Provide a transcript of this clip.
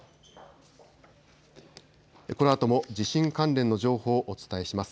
このあとも地震関連の情報をお伝えします。